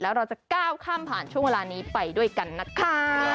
แล้วเราจะก้าวข้ามผ่านช่วงเวลานี้ไปด้วยกันนะคะ